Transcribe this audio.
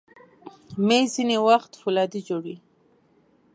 مېز ځینې وخت فولادي جوړ وي.